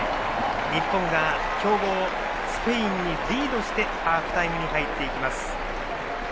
日本が強豪スペインにリードしてハーフタイムに入っていきます。